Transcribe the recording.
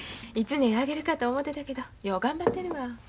いつ音ぇ上げるかと思てたけどよう頑張ってるわ。